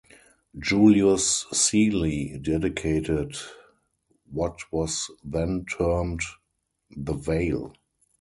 Julius Seely dedicated what was then termed "the Vale".